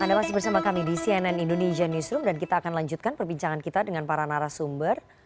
anda masih bersama kami di cnn indonesia newsroom dan kita akan lanjutkan perbincangan kita dengan para narasumber